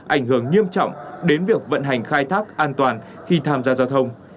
ảnh hưởng nghiêm trọng đến việc vận hành khai thác an toàn khi tham gia giao thông